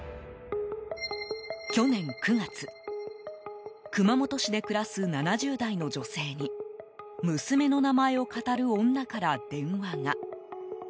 去年９月熊本市で暮らす７０代の女性に娘の名前をかたる女から電話が。